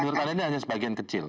menurut anda ini hanya sebagian kecil